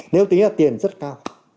nếu tính là tiền rất cao